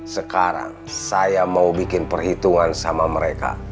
sekarang saya mau bikin perhitungan sama mereka